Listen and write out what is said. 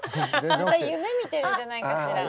また夢見てるんじゃないかしら。